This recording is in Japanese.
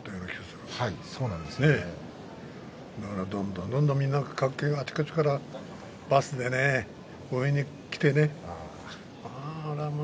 どんどんどんどんみんなあちこちからバスでね応援に来てね。